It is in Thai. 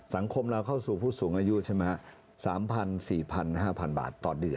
สังคมเราเข้าสู่ผู้สูงอายุใช่ไหมสามพันสี่พันห้าพันบาทต่อเดือน